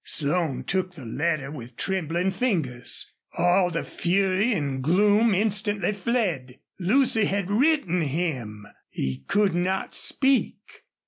Slone took the letter with trembling fingers. All the fury and gloom instantly fled. Lucy had written him! He could not speak.